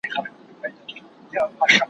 گل د کډو گل دئ، چي يو پورته کوې تر لاندي بل دئ.